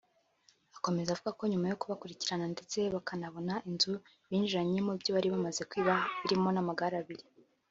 Akomeza avuga ko nyuma yo kubakurikirana ndetse bakanabona inzu binjiranyemo ibyo bari bamaze kwiba birimo n’amagare abiri